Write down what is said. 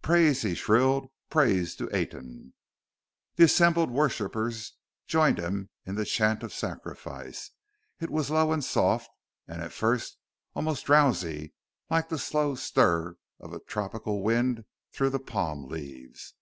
"Praise!" he shrilled. "Praise to Aten!" The assembled worshippers joined him in the chant of sacrifice. It was low and soft, and, at first, almost drowsy, like the slow stir of a tropical wind through palm leaves.